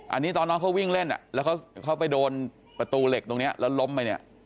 อันนี้ตอนน้องเขาวิ่งเล่นแล้วเขาไปโดนประตูเหล็กตรงนี้แล้วล้มไปเนี่ย